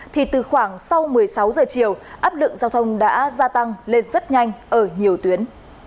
thì từ khoảng sau một mươi sáu giờ chiều áp lượng giao thông đã gia tăng lên rất nhanh ở nhiều tuyến